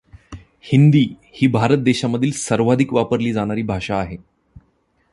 हिंदी ही भारत देशामधील सर्वाधिक वापरली जाणारी भाषा आहे.